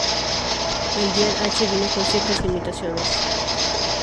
El Dial-H vino con ciertas limitaciones.